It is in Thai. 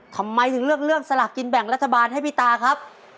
ทำไมถึงเลือกเรื่องสลากกินแบ่งรัฐบาลให้พี่ตาครับ